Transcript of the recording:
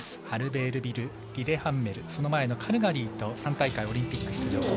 アルベールビル、リレハンメルカルガリーと３大会オリンピック出場。